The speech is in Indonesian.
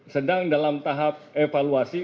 sedang dalam tahap evaluasi